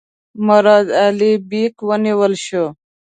مراد علي بیګ ونیول شو.